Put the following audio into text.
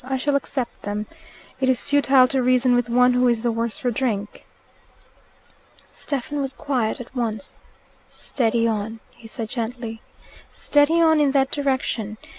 I shall accept them. It is futile to reason with one who is the worse for drink." Stephen was quiet at once. "Steady on!" he said gently. "Steady on in that direction.